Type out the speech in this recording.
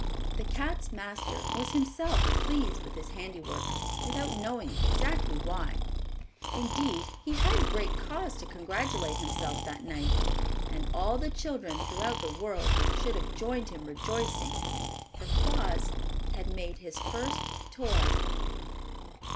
The cat's master was himself pleased with his handiwork, without knowing exactly why. Indeed, he had great cause to congratulate himself that night, and all the children throughout the world should have joined him rejoicing. For Claus had made his first toy.